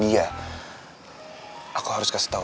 iya terus tau gak